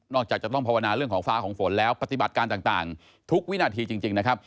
จากจะต้องภาวนาเรื่องของฟ้าของฝนแล้วปฏิบัติการต่างทุกวินาทีจริงนะครับ